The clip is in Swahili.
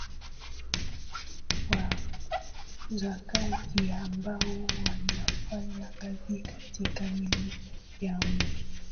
wajakazi ambao wanafanya kazi katika meli ya mv